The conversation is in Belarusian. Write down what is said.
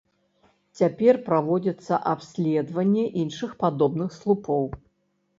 Цяпер праводзіцца абследаванне іншых падобных слупоў.